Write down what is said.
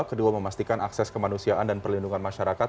kedua memastikan akses kemanusiaan dan perlindungan masyarakat